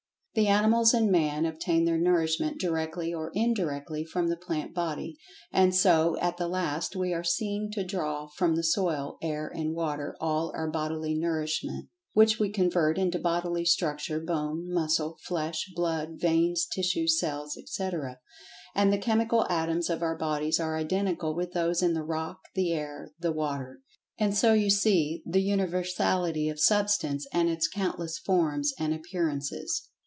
The animals, and man, obtain their nourishment, directly or indirectly, from the plant body, and so at the last we are seen to draw from the soil, air and water all our bodily nourishment, which we convert into[Pg 89] bodily structure, bone, muscle, flesh, blood, veins, tissue, cells, etc. And the chemical atoms of our bodies are identical with those in the rock, the air, the water. And so you see the universality of Substance and its countless forms and appearances.